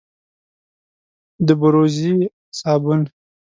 د بوروزې صابون،